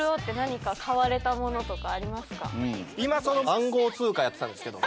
今その暗号通貨やってたんですけど。